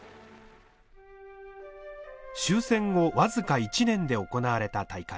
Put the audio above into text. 終戦後僅か１年で行われた大会。